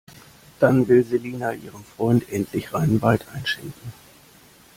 Dann will Selina ihrem Freund endlich reinen Wein einschenken.